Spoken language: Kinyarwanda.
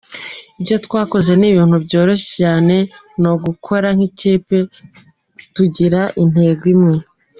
Ibyo twakoze ni ibintu byoroshye cyane, ni ugukora nk’ikipe, tugira intego imwe.